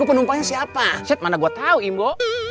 penumpangnya siapa mana gua tahu ibo